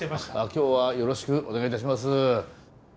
今日はよろしくお願いいたします。